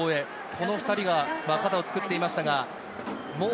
この２人が肩をつくっていました。